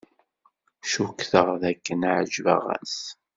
Cukkteɣ dakken ɛejbeɣ-as.